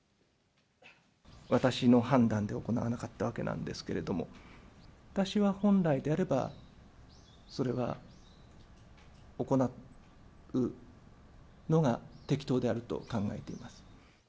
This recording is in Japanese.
私の判断で行わなかったわけなんですけれども、私は本来であれば、それは行うのが適当であると考えています。